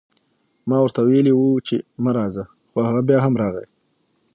ما ورته وئيلي وو چې مه راځه، خو هغه بيا هم راغی